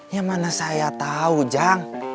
ya mana saya tau jang